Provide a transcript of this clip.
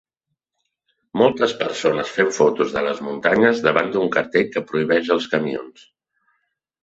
moltes persones fent fotos de les muntanyes davant d'un cartell que prohibeix els camions